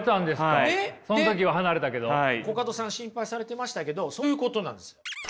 コカドさん心配されてましたけどそういうことなんですよ。